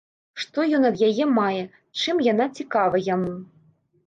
Што ён ад яе мае, чым яна цікава яму?